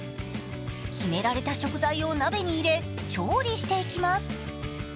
決められた食材を鍋に入れ調理していきます。